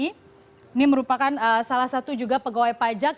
ini merupakan salah satu juga pegawai pajak